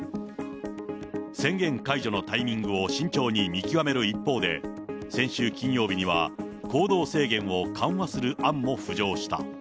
宣言解除のタイミングを慎重に見極める一方で、先週金曜日には、行動制限を緩和する案も浮上した。